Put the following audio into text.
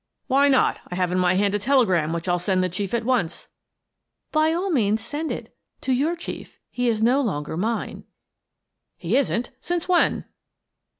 " Why not? I have in my hand a telegram which I'll send the Chief at once." " By all means send it — to your chief : he is no longer mine." "He isn't? Since when?"